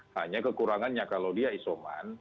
hanya kekurangannya kalau dia isoman